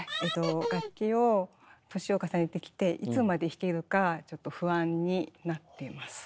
楽器を年を重ねてきていつまで弾けるかちょっと不安になってます。